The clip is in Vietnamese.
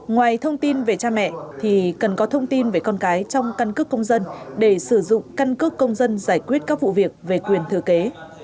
ngoài thông tin về cha mẹ thì cần có thông tin về con cái trong căn cước công dân để sử dụng căn cước công dân giải quyết các vụ việc về quyền thừa kế